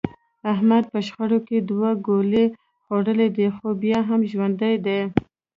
احمد په شخړه کې دوه ګولۍ خوړلې دي، خو بیا هم ژوندی دی.